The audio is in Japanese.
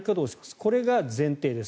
これが前提です。